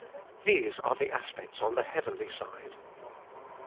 These are the aspects on the heavenly side.